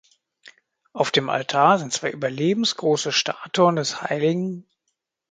Auf dem Altar sind zwei überlebensgroße Statuen des hl.